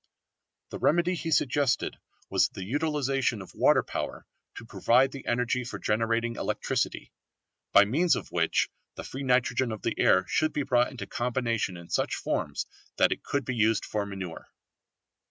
The remedy he suggested was the utilization of water power to provide the energy for generating electricity, by means of which the free nitrogen of the air should be brought into combination in such forms that it could be used for manure.